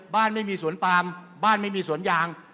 ไม่มีสวนปามบ้านไม่มีสวนยาง